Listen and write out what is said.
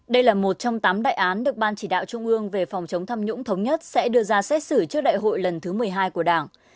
đây là một trong tám đại án được ban chỉ đạo trung ương về phòng chống tham nhũng thống nhất sẽ đưa ra xét xử trước đại hội lần thứ một mươi hai của đảng